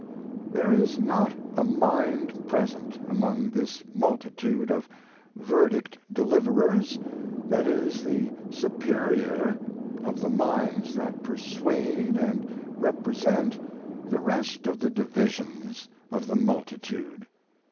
There is not a mind present among this multitude of verdict deliverers that is the superior of the minds that persuade and represent the rest of the divisions of the multitude.